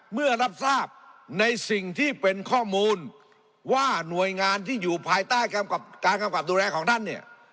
เมื่อรับทราบในสิ่งที่เป็นข้อมูลว่าหน่วยงานที่อยู่ภายใต้การกำกับดูแลของท่านเนี่ย